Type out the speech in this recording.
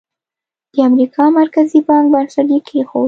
د امریکا مرکزي بانک بنسټ یې کېښود.